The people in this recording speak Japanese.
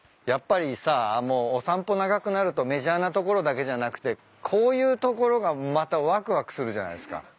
やっぱりさもうお散歩長くなるとメジャーな所だけじゃなくてこういう所がまたわくわくするじゃないっすか。